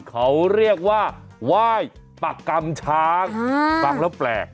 เขาเรียกว่าว่ายปากกำช้างปากแล้วแปลก